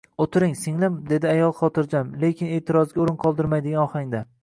O`tiring, singlim dedi ayol xotirjam lekin e`tirozga o`rin qoldirmaydigan ohangda